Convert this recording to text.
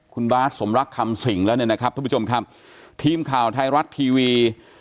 คุณบ๊าสสมรักคำสิ่งแล้วเนี้ยนะครับท่านผู้ชมคันทีมข่าวใทรัศน์ทีวี